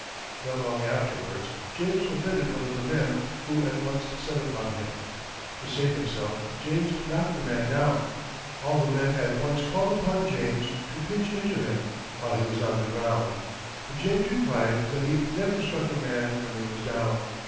Not long afterwards James offended one of the men, who at once set upon him. To save himself, James knocked the man down. All the men at once called upon James to pitch into him while he was on the ground. But James replied that he never struck a man when he was down.